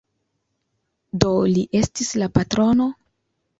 Do li estis la patrono?